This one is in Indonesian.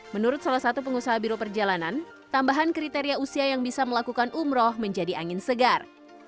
menurut salah satu pengusaha biro perjalanan tambahan kriteria usia yang bisa melakukan umroh menjadi angin segar